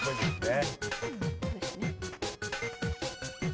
そうですよね。